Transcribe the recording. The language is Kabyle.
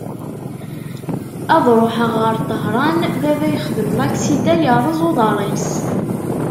Ad ruḥeɣ ɣer Tahran, baba yexdem laksida, yerreẓ uḍar-is.